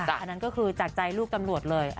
อันนั้นก็คือจากใจลูกตำรวจเลย